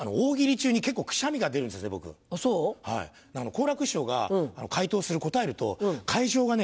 好楽師匠が回答する答えると会場がね